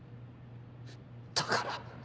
だから。